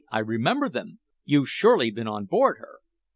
I remember them! You've surely been on board her!"